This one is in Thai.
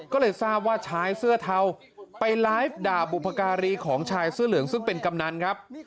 ก็เลยทราบว่าชายเสื้อเทาไปไลฟ์ด่าบุพการีของชายเสื้อเหลืองซึ่งเป็นกำนันครับ